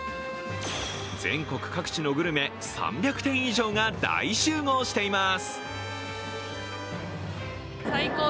全国各地のグルメ３００店以上が大集合しています。